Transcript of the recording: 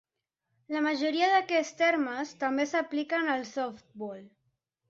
La majoria d'aquests termes també s'apliquen al softbol.